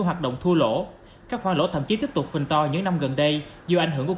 hoạt động thua lỗ các khoa lỗ thậm chí tiếp tục phình to những năm gần đây do ảnh hưởng của